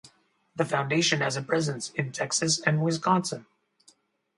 The Foundation has a presence in Texas and Wisconsin.